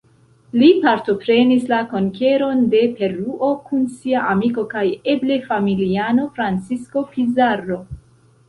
Li partoprenis la konkeron de Peruo, kun sia amiko kaj eble familiano Francisco Pizarro.